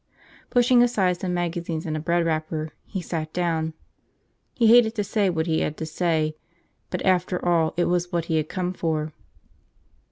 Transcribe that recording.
Pushing aside some magazines and a bread wrapper, he sat down. He hated to say what he had to say, but after all it was what he had come for.